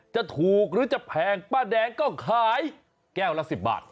จะถูกหรือจะแพงป้าแดงก็ขายแก้วละ๑๐บาท